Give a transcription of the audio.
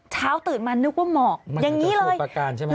เช้าตื่นมานึกว่าเหมาะอย่างนี้เลย